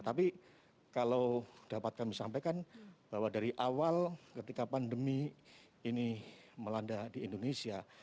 tapi kalau dapat kami sampaikan bahwa dari awal ketika pandemi ini melanda di indonesia